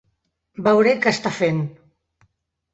Veuré què està fent.